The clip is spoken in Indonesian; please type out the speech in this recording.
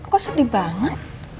kok sedih banget